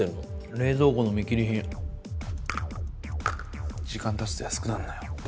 冷蔵庫の見切り品時間経つと安くなんのよ。